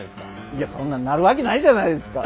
いやそんなんなるわけないじゃないですか。